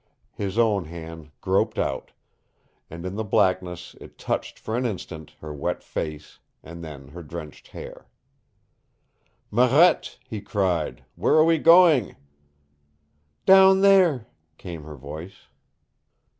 His own hand groped out, and in the blackness it touched for an instant her wet face and then her drenched hair. "Marette," he cried, "where are we going?" "Down there," came her voice.